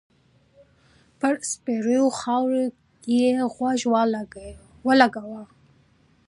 پر سپېرو خاور يې غوږ و لګاوه.